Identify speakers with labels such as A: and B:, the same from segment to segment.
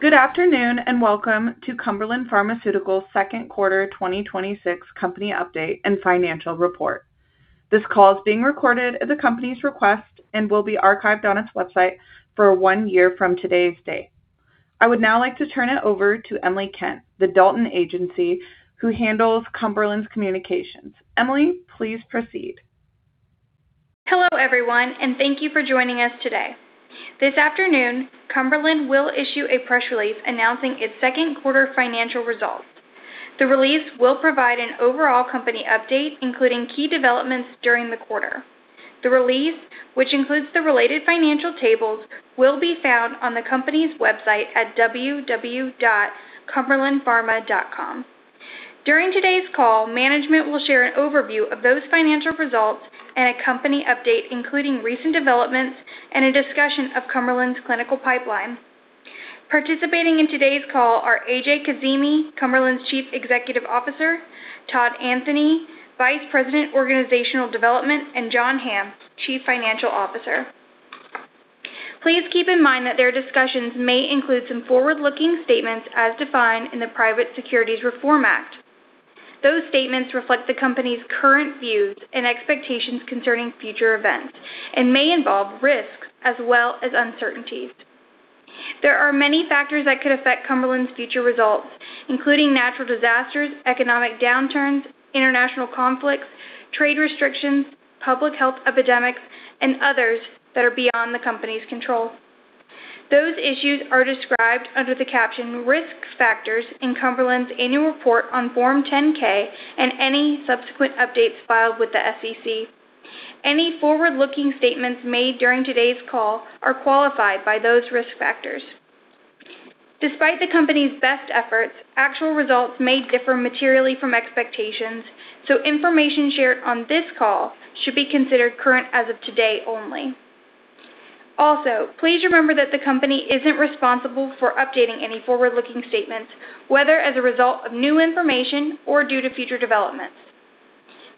A: Good afternoon, welcome to Cumberland Pharmaceuticals' second quarter 2026 company update and financial report. This call is being recorded at the company's request and will be archived on its website for one year from today's date. I would now like to turn it over to Emily Kent, the Dalton Agency, who handles Cumberland's communications. Emily, please proceed.
B: Hello, everyone, thank you for joining us today. This afternoon, Cumberland will issue a press release announcing its second quarter financial results. The release will provide an overall company update, including key developments during the quarter. The release, which includes the related financial tables, will be found on the company's website at www.cumberlandpharma.com. During today's call, management will share an overview of those financial results and a company update, including recent developments and a discussion of Cumberland's clinical pipeline. Participating in today's call are A.J. Kazimi, Cumberland's Chief Executive Officer, Todd Anthony, Vice President, Organizational Development, and John Hamm, Chief Financial Officer. Please keep in mind that their discussions may include some forward-looking statements as defined in the Private Securities Litigation Reform Act. Those statements reflect the company's current views and expectations concerning future events and may involve risks as well as uncertainties. There are many factors that could affect Cumberland's future results, including natural disasters, economic downturns, international conflicts, trade restrictions, public health epidemics, and others that are beyond the company's control. Those issues are described under the caption "Risk Factors" in Cumberland's annual report on Form 10-K and any subsequent updates filed with the SEC. Any forward-looking statements made during today's call are qualified by those risk factors. Despite the company's best efforts, actual results may differ materially from expectations, information shared on this call should be considered current as of today only. Also, please remember that the company isn't responsible for updating any forward-looking statements, whether as a result of new information or due to future developments.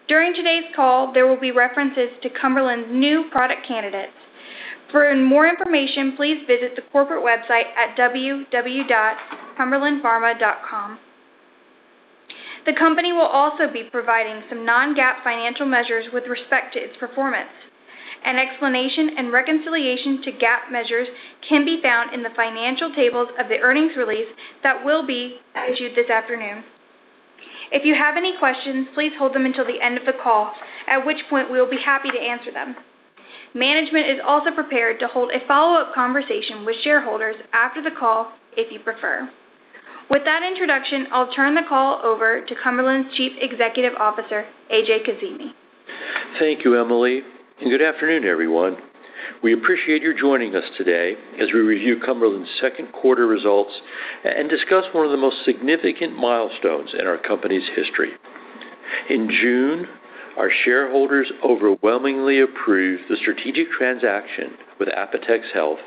B: During today's call, there will be references to Cumberland's new product candidates. For more information, please visit the corporate website at www.cumberlandpharma.com. The company will also be providing some non-GAAP financial measures with respect to its performance. An explanation and reconciliation to GAAP measures can be found in the financial tables of the earnings release that will be issued this afternoon. If you have any questions, please hold them until the end of the call, at which point we will be happy to answer them. Management is also prepared to hold a follow-up conversation with shareholders after the call, if you prefer. With that introduction, I'll turn the call over to Cumberland's Chief Executive Officer, A.J. Kazimi.
C: Thank you, Emily, and good afternoon, everyone. We appreciate your joining us today as we review Cumberland's second quarter results and discuss one of the most significant milestones in our company's history. In June, our shareholders overwhelmingly approved the strategic transaction with Apotex Health,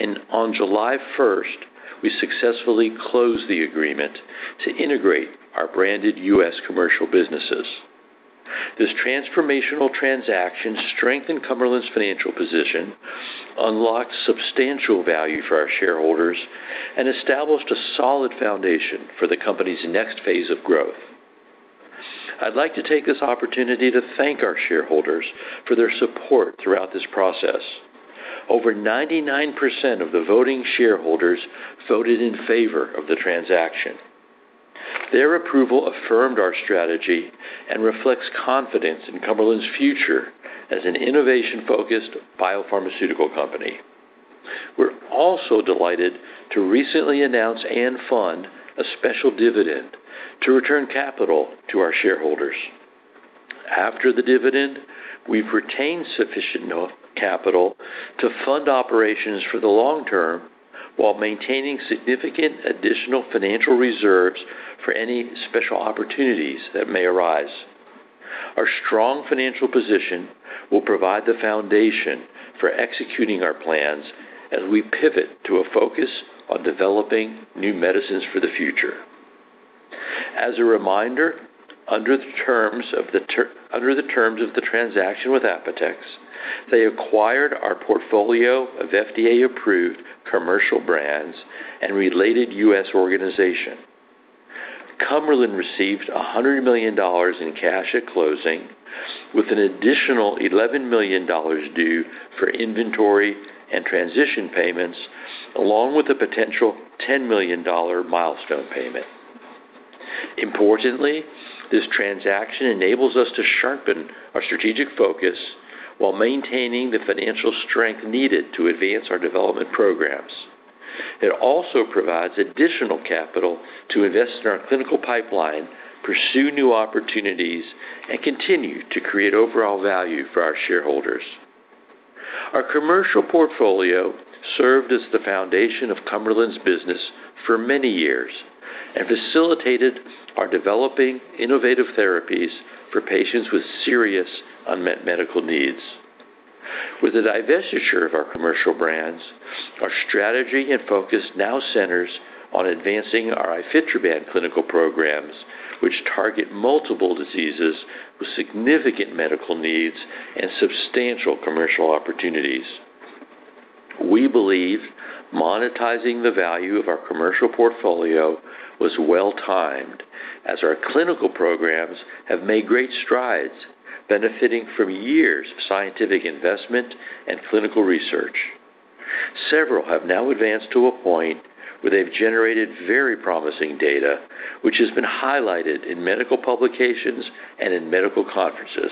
C: and on July 1st, we successfully closed the agreement to integrate our branded U.S. commercial businesses. This transformational transaction strengthened Cumberland's financial position, unlocked substantial value for our shareholders, and established a solid foundation for the company's next phase of growth. I'd like to take this opportunity to thank our shareholders for their support throughout this process. Over 99% of the voting shareholders voted in favor of the transaction. Their approval affirmed our strategy and reflects confidence in Cumberland's future as an innovation-focused biopharmaceutical company. We're also delighted to recently announce and fund a special dividend to return capital to our shareholders. After the dividend, we've retained sufficient capital to fund operations for the long term while maintaining significant additional financial reserves for any special opportunities that may arise. Our strong financial position will provide the foundation for executing our plans as we pivot to a focus on developing new medicines for the future. As a reminder, under the terms of the transaction with Apotex, they acquired our portfolio of FDA-approved commercial brands and related U.S. organization. Cumberland received $100 million in cash at closing, with an additional $11 million due for inventory and transition payments, along with a potential $10 million milestone payment. Importantly, this transaction enables us to sharpen our strategic focus while maintaining the financial strength needed to advance our development programs. It also provides additional capital to invest in our clinical pipeline, pursue new opportunities, and continue to create overall value for our shareholders. Our commercial portfolio served as the foundation of Cumberland's business for many years and facilitated our developing innovative therapies for patients with serious unmet medical needs. With the divestiture of our commercial brands, our strategy and focus now centers on advancing our ifetroban clinical programs, which target multiple diseases with significant medical needs and substantial commercial opportunities. We believe monetizing the value of our commercial portfolio was well-timed, as our clinical programs have made great strides benefiting from years of scientific investment and clinical research. Several have now advanced to a point where they've generated very promising data, which has been highlighted in medical publications and in medical conferences.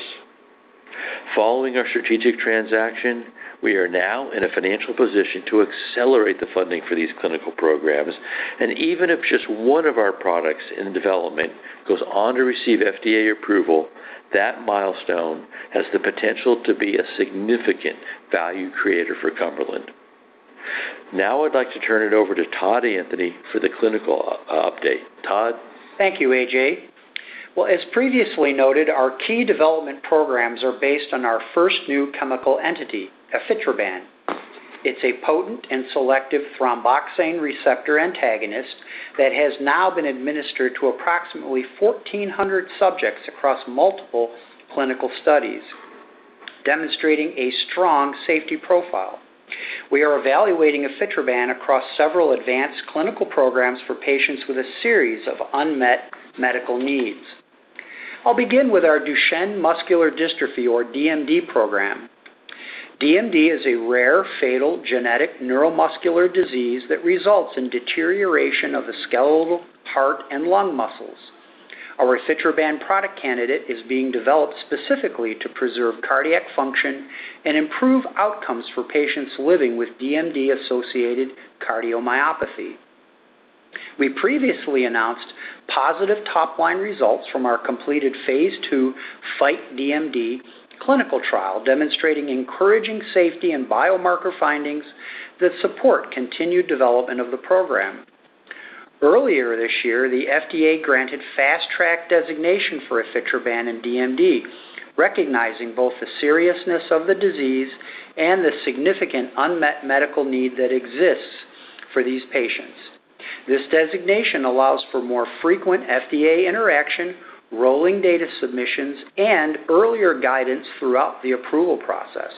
C: Following our strategic transaction, we are now in a financial position to accelerate the funding for these clinical programs, and even if just one of our products in development goes on to receive FDA approval, that milestone has the potential to be a significant value creator for Cumberland. Now I'd like to turn it over to Todd Anthony for the clinical update. Todd?
D: Thank you, A.J. Well, as previously noted, our key development programs are based on our first new chemical entity, ifetroban. It's a potent and selective thromboxane receptor antagonist that has now been administered to approximately 1,400 subjects across multiple clinical studies, demonstrating a strong safety profile. We are evaluating ifetroban across several advanced clinical programs for patients with a series of unmet medical needs. I'll begin with our Duchenne muscular dystrophy, or DMD program. DMD is a rare, fatal genetic neuromuscular disease that results in deterioration of the skeletal, heart, and lung muscles. Our ifetroban product candidate is being developed specifically to preserve cardiac function and improve outcomes for patients living with DMD-associated cardiomyopathy. We previously announced positive top-line results from our completed Phase II FIGHT DMD clinical trial, demonstrating encouraging safety and biomarker findings that support continued development of the program. Earlier this year, the FDA granted Fast Track designation for ifetroban in DMD, recognizing both the seriousness of the disease and the significant unmet medical need that exists for these patients. This designation allows for more frequent FDA interaction, rolling data submissions, and earlier guidance throughout the approval process.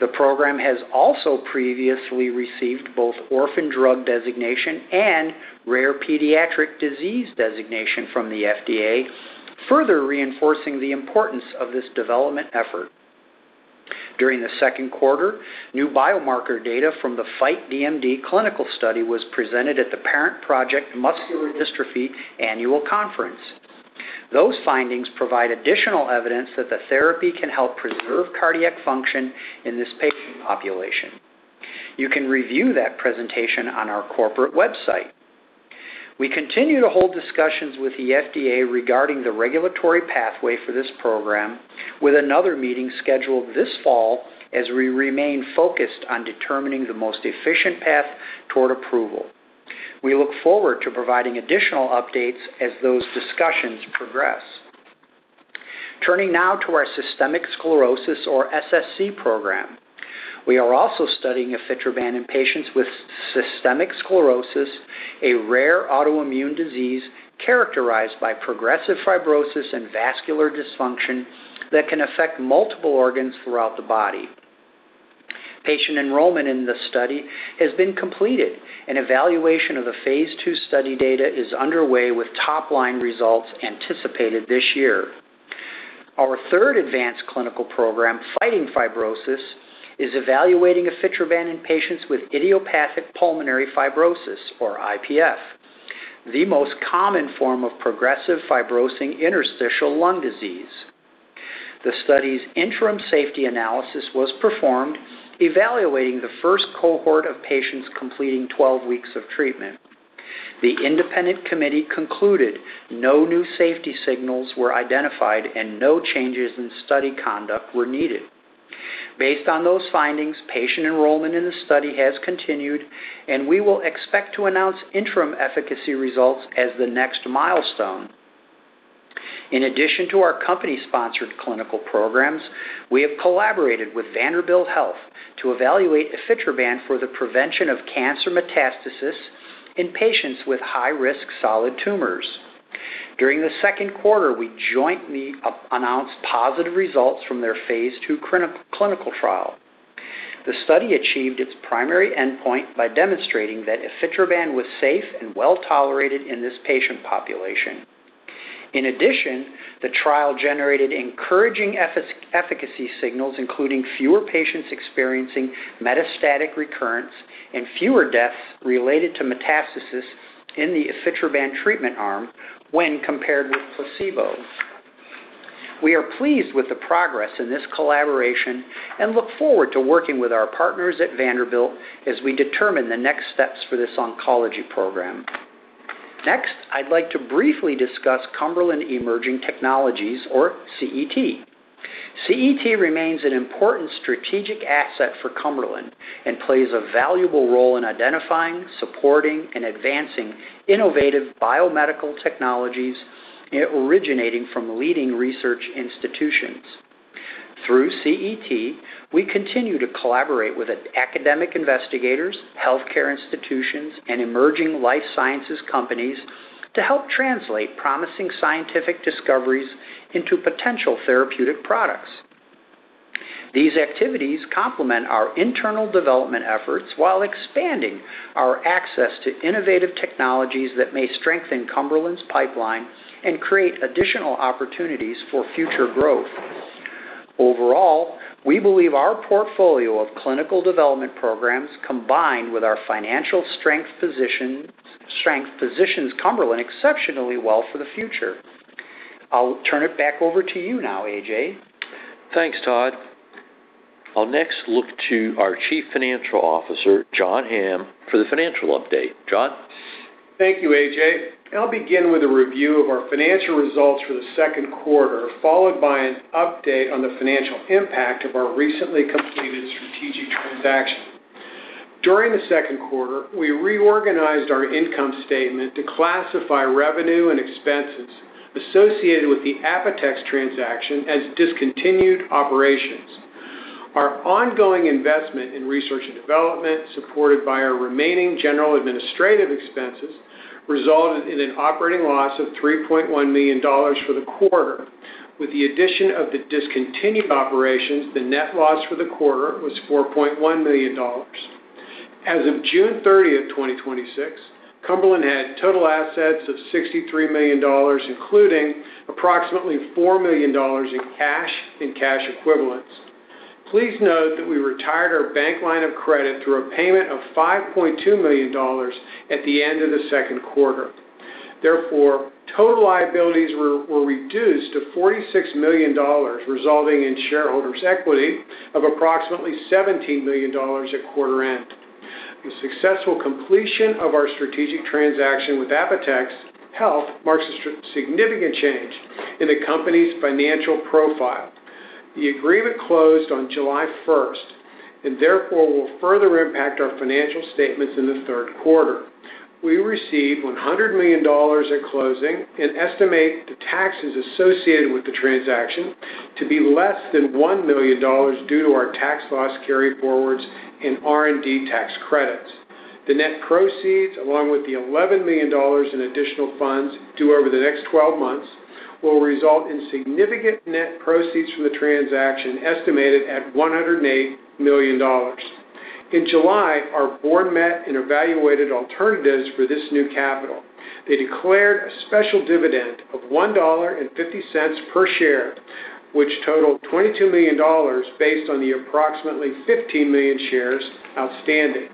D: The program has also previously received both Orphan Drug designation and Rare Pediatric Disease designation from the FDA, further reinforcing the importance of this development effort. During the second quarter, new biomarker data from the FIGHT DMD clinical study was presented at the Parent Project Muscular Dystrophy Annual Conference. Those findings provide additional evidence that the therapy can help preserve cardiac function in this patient population. You can review that presentation on our corporate website. We continue to hold discussions with the FDA regarding the regulatory pathway for this program, with another meeting scheduled this fall as we remain focused on determining the most efficient path toward approval. We look forward to providing additional updates as those discussions progress. Turning now to our systemic sclerosis, or SSc program. We are also studying ifetroban in patients with systemic sclerosis, a rare autoimmune disease characterized by progressive fibrosis and vascular dysfunction that can affect multiple organs throughout the body. Patient enrollment in the study has been completed, and evaluation of the Phase II study data is underway, with top-line results anticipated this year. Our third advanced clinical program, FIGHTING FIBROSIS, is evaluating ifetroban in patients with idiopathic pulmonary fibrosis, or IPF, the most common form of progressive fibrosing interstitial lung disease. The study's interim safety analysis was performed evaluating the first cohort of patients completing 12 weeks of treatment. The independent committee concluded no new safety signals were identified and no changes in study conduct were needed. Based on those findings, patient enrollment in the study has continued, and we will expect to announce interim efficacy results as the next milestone. In addition to our company-sponsored clinical programs, we have collaborated with Vanderbilt Health to evaluate ifetroban for the prevention of cancer metastasis in patients with high-risk solid tumors. During the second quarter, we jointly announced positive results from their Phase II clinical trial. The study achieved its primary endpoint by demonstrating that ifetroban was safe and well-tolerated in this patient population. In addition, the trial generated encouraging efficacy signals, including fewer patients experiencing metastatic recurrence and fewer deaths related to metastasis in the ifetroban treatment arm when compared with placebo. We are pleased with the progress in this collaboration and look forward to working with our partners at Vanderbilt as we determine the next steps for this oncology program. Next, I'd like to briefly discuss Cumberland Emerging Technologies, or CET. CET remains an important strategic asset for Cumberland and plays a valuable role in identifying, supporting, and advancing innovative biomedical technologies originating from leading research institutions. Through CET, we continue to collaborate with academic investigators, healthcare institutions, and emerging life sciences companies to help translate promising scientific discoveries into potential therapeutic products. These activities complement our internal development efforts while expanding our access to innovative technologies that may strengthen Cumberland's pipeline and create additional opportunities for future growth. Overall, we believe our portfolio of clinical development programs, combined with our financial strength, positions Cumberland exceptionally well for the future. I'll turn it back over to you now, A.J.
C: Thanks, Todd. I'll next look to our Chief Financial Officer, John Hamm, for the financial update. John?
E: Thank you, A.J. I'll begin with a review of our financial results for the second quarter, followed by an update on the financial impact of our recently completed strategic transaction. During the second quarter, we reorganized our income statement to classify revenue and expenses associated with the Apotex transaction as discontinued operations. Our ongoing investment in research and development, supported by our remaining general administrative expenses, resulted in an operating loss of $3.1 million for the quarter. With the addition of the discontinued operations, the net loss for the quarter was $4.1 million. As of June 30th, 2026, Cumberland had total assets of $63 million, including approximately $4 million in cash and cash equivalents. Please note that we retired our bank line of credit through a payment of $5.2 million at the end of the second quarter. Therefore, total liabilities were reduced to $46 million, resulting in shareholders' equity of approximately $17 million at quarter end. The successful completion of our strategic transaction with Apotex Health marks a significant change in the company's financial profile. The agreement closed on July 1st and therefore will further impact our financial statements in the third quarter. We received $100 million at closing and estimate the taxes associated with the transaction to be less than $1 million due to our tax loss carryforwards and R&D tax credits. The net proceeds, along with the $11 million in additional funds due over the next 12 months, will result in significant net proceeds from the transaction estimated at $108 million. In July, our board met and evaluated alternatives for this new capital. They declared a special dividend of $1.50 per share, which totaled $22 million based on the approximately 15 million shares outstanding.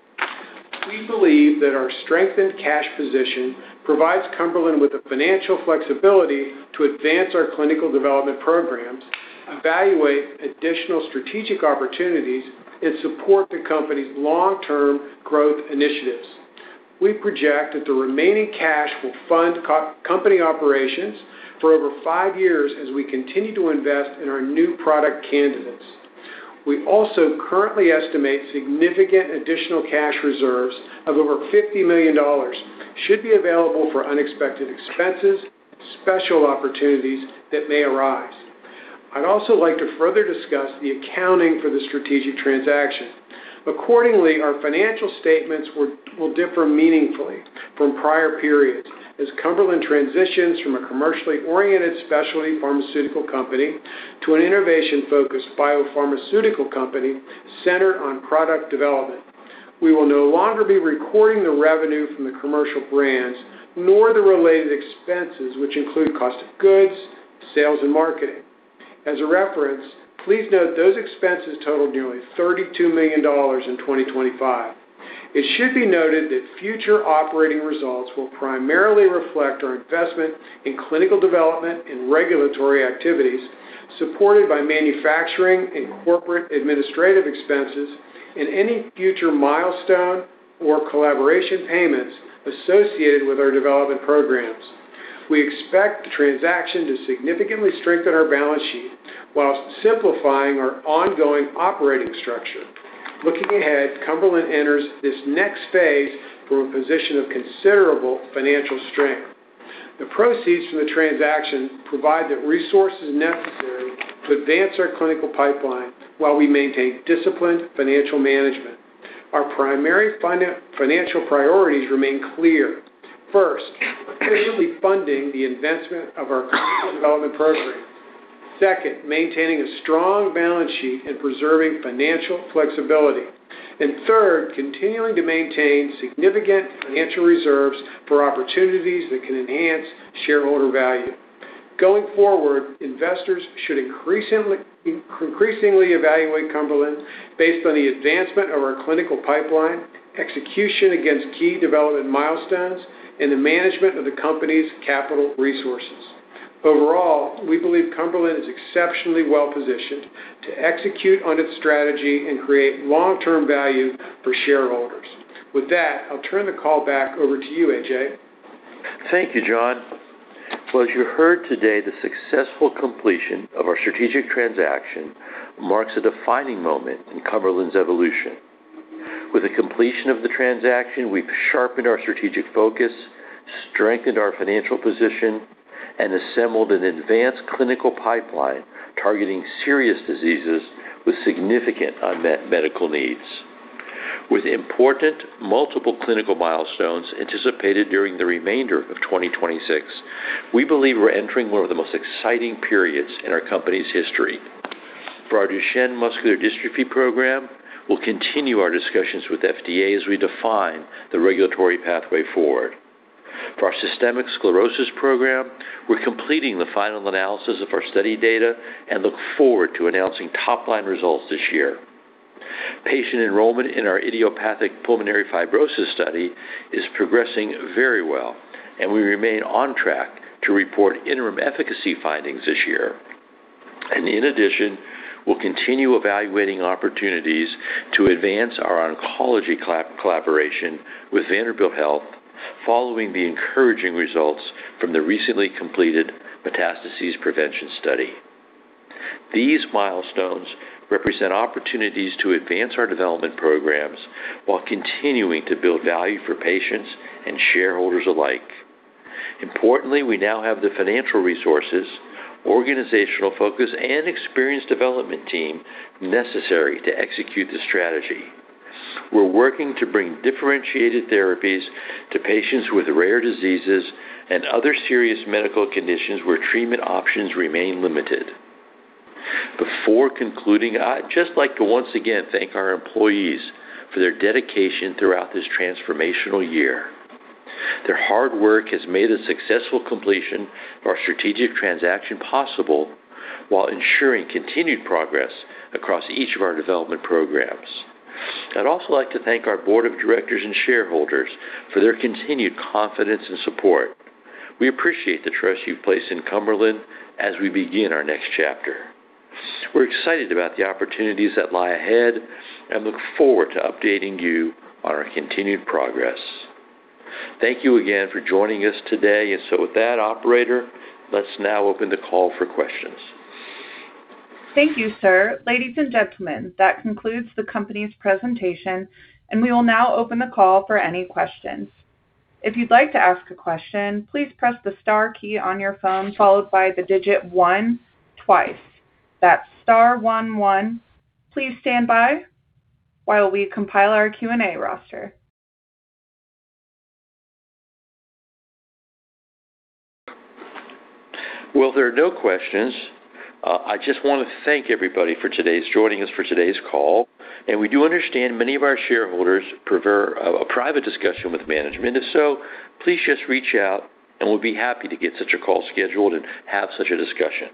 E: We believe that our strengthened cash position provides Cumberland with the financial flexibility to advance our clinical development programs, evaluate additional strategic opportunities, and support the company's long-term growth initiatives. We project that the remaining cash will fund company operations for over five years as we continue to invest in our new product candidates. We also currently estimate significant additional cash reserves of over $50 million should be available for unexpected expenses, special opportunities that may arise. I'd also like to further discuss the accounting for the strategic transaction. Accordingly, our financial statements will differ meaningfully from prior periods as Cumberland transitions from a commercially-oriented specialty pharmaceutical company to an innovation-focused biopharmaceutical company centered on product development. We will no longer be recording the revenue from the commercial brands, nor the related expenses, which include cost of goods, sales, and marketing. As a reference, please note those expenses totaled nearly $32 million in 2025. It should be noted that future operating results will primarily reflect our investment in clinical development and regulatory activities, supported by manufacturing and corporate administrative expenses and any future milestone or collaboration payments associated with our development programs. We expect the transaction to significantly strengthen our balance sheet while simplifying our ongoing operating structure. Looking ahead, Cumberland enters this next phase from a position of considerable financial strength. The proceeds from the transaction provide the resources necessary to advance our clinical pipeline while we maintain disciplined financial management. Our primary financial priorities remain clear. First, efficiently funding the investment of our clinical development program. Second, maintaining a strong balance sheet and preserving financial flexibility. Third, continuing to maintain significant financial reserves for opportunities that can enhance shareholder value. Going forward, investors should increasingly evaluate Cumberland based on the advancement of our clinical pipeline, execution against key development milestones, and the management of the company's capital resources. Overall, we believe Cumberland is exceptionally well-positioned to execute on its strategy and create long-term value for shareholders. With that, I'll turn the call back over to you, A.J.
C: Thank you, John. Well, as you heard today, the successful completion of our strategic transaction marks a defining moment in Cumberland's evolution. With the completion of the transaction, we've sharpened our strategic focus, strengthened our financial position, and assembled an advanced clinical pipeline targeting serious diseases with significant unmet medical needs. With important multiple clinical milestones anticipated during the remainder of 2026, we believe we're entering one of the most exciting periods in our company's history. For our Duchenne muscular dystrophy program, we'll continue our discussions with FDA as we define the regulatory pathway forward. For our Systemic sclerosis program, we're completing the final analysis of our study data and look forward to announcing top-line results this year. Patient enrollment in our Idiopathic pulmonary fibrosis study is progressing very well, and we remain on track to report interim efficacy findings this year. In addition, we'll continue evaluating opportunities to advance our oncology collaboration with Vanderbilt Health following the encouraging results from the recently completed metastases prevention study. These milestones represent opportunities to advance our development programs while continuing to build value for patients and shareholders alike. Importantly, we now have the financial resources, organizational focus, and experienced development team necessary to execute the strategy. We're working to bring differentiated therapies to patients with rare diseases and other serious medical conditions where treatment options remain limited. Before concluding, I'd just like to once again thank our employees for their dedication throughout this transformational year. Their hard work has made the successful completion of our strategic transaction possible while ensuring continued progress across each of our development programs. I'd also like to thank our board of directors and shareholders for their continued confidence and support. We appreciate the trust you've placed in Cumberland as we begin our next chapter. We're excited about the opportunities that lie ahead and look forward to updating you on our continued progress. Thank you again for joining us today. With that, operator, let's now open the call for questions.
A: Thank you, sir. Ladies and gentlemen, that concludes the company's presentation. We will now open the call for any questions. If you'd like to ask a question, please press the star key on your phone followed by the digit 1 twice. That's star 1 1. Please stand by while we compile our Q&A roster.
C: There are no questions. I want to thank everybody for joining us for today's call. We do understand many of our shareholders prefer a private discussion with management. If so, please just reach out, and we'll be happy to get such a call scheduled and have such a discussion.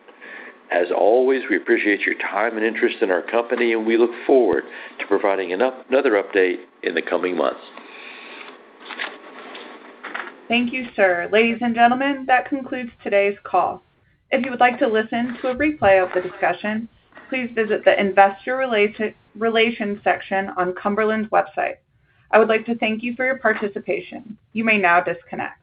C: As always, we appreciate your time and interest in our company. We look forward to providing another update in the coming months.
A: Thank you, sir. Ladies and gentlemen, that concludes today's call. If you would like to listen to a replay of the discussion, please visit the investor relations section on Cumberland's website. I would like to thank you for your participation. You may now disconnect.